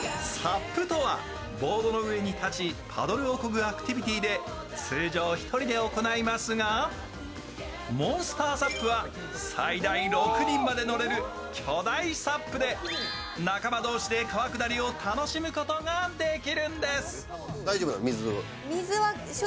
サップとはボードの上に立ち、パドルをこぐアクティビティーですが、通常１人で行いますがモンスターサップは最大６人まで乗れる巨大サップで仲間同士で川下りを楽しむことができるんです。